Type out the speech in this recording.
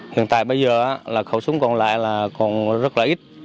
hiện tại bây giờ là khẩu súng còn lại là còn rất là ít